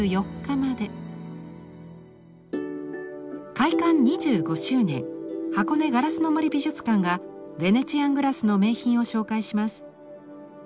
開館２５周年箱根ガラスの森美術館がヴェネチアン・グラスの名品を紹介します。